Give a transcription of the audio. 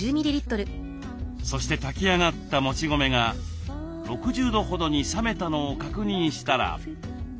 そして炊き上がったもち米が６０度ほどに冷めたのを確認したら。